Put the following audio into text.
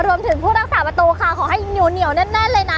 รวมถึงผู้รักษาประตูค่ะขอให้เหนียวแน่นเลยนะ